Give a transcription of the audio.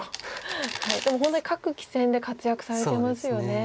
でも本当に各棋戦で活躍されてますよね。